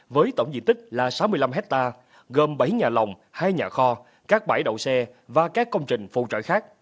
với tổng diện tích là sáu mươi năm hectare gồm bảy nhà lòng hai nhà kho các bãi đậu xe và các công trình phụ trợ khác